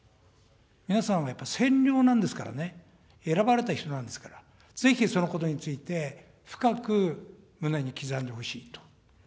皆さんはやっぱりせんりょうなんですからね、選ばれた人なんですから、ぜひそのことについて、深く胸に刻んでほしいと。